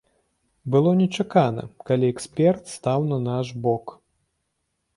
Было нечакана, калі эксперт стаў на наш бок.